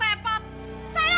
saya udah pergi